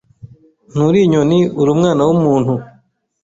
Nturi inyoni ...uri umwana wumuntu